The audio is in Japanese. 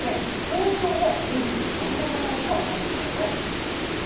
東京も２４度止まりとなりそうです。